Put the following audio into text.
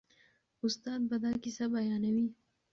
استاد به دا کیسه بیانوي.